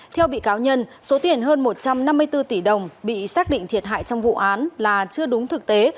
theo bị cáo nhân số tiền hơn một trăm năm mươi bốn tỷ đồng bị xác định thiệt hại trong vụ án là chưa đúng thực tế